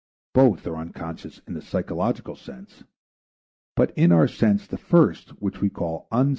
Both are unconscious in the psychological sense; but in our sense the first, which we call Unc.